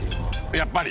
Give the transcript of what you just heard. やっぱり！